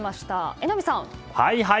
榎並さん。